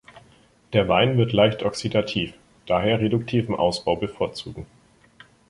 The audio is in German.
Der Wein wird leicht oxidativ, daher reduktiven Ausbau bevorzugen.